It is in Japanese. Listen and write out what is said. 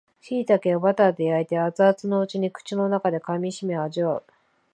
しいたけをバターで焼いて熱々のうちに口の中で噛みしめ味わう